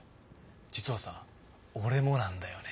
実はさ俺もなんだよね。